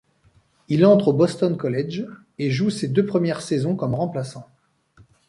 Il entre au Boston College et joue ses deux premières saisons comme remplaçant.